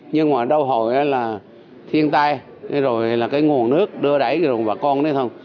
nhưng mà đau hồi là thiên tai rồi là cái nguồn nước đưa đẩy rồi bà con nói không